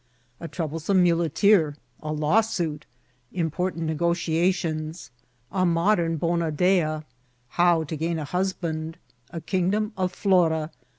— A troublesome If uleteer.— A Lawsuit— Important Negodatiens.— A Modem Bona Dea.— How to gain a Husband.— A Kingidom of Flora.